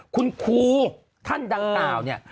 คุณครูท่านดั้ง๙เนี่ย